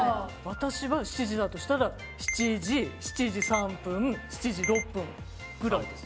私は７時だとしたら７時７時３分７時６分ぐらいです